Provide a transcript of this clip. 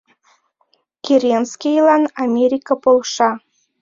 Керенскийлан Америка полша.